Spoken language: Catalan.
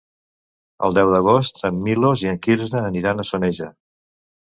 El deu d'agost en Milos i en Quirze aniran a Soneja.